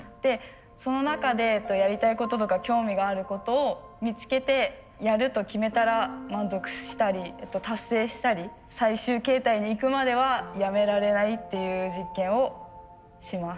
その中でやりたいこととか興味があることを見つけてやると決めたら満足したり達成したり最終形態にいくまではやめられないっていう実験をします。